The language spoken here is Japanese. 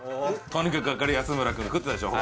とにかく明るい安村君食ってたでしょ